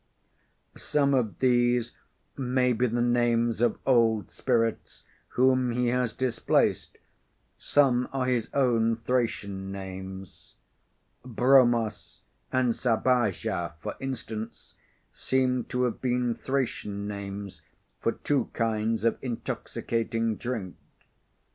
Some of these may be the names of old spirits whom he has displaced; some are his own Thracian names. Bromos and Sabaja, for instance, seem to have been Thracian names for two kinds of intoxicating drink.